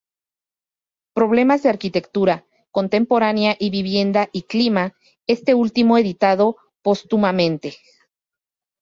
Problemas de Arquitectura Contemporánea" y "Vivienda y Clima"; este último editado póstumamente.